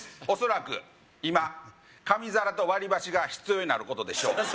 おそらく今紙皿と割り箸が必要になることでしょう